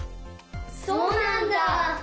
そうなんだ。